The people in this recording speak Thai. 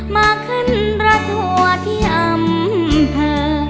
มาขึ้นรถทัวร์ที่อำเภอ